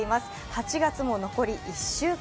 ８月も残り１週間。